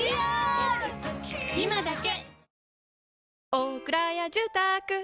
今だけ！